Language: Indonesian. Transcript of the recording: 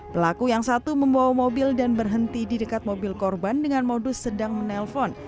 pelaku yang satu membawa mobil dan berhenti di dekat mobil korban dengan modus sedang menelpon